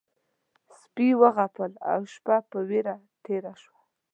سپي وغپل او شپه په وېره تېره شوه.